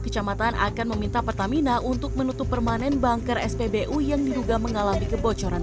kecamatan akan meminta pertamina untuk menutup permanen banker spbu yang diduga mengalami kebocoran